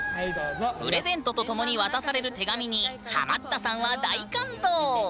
プレゼントと共に渡される手紙にハマったさんは大感動！